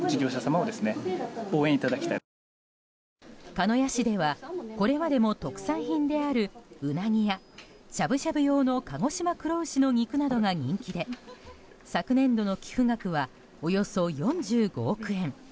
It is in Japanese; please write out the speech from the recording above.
鹿屋市ではこれまでも特産品であるウナギやしゃぶしゃぶ用の鹿児島黒牛の肉などが人気で昨年度の寄付額はおよそ４５億円。